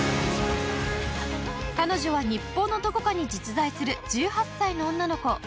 彼女は日本のどこかに実在する１８歳の女の子。